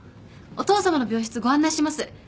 お父さまの病室ご案内します。